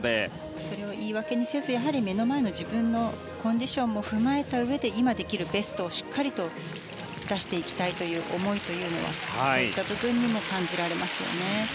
それを言い訳にせずやはり、目の前の自分のコンディションも踏まえたうえで今できるベストをしっかりと出していきたいという思いはそういった部分にも感じられますよね。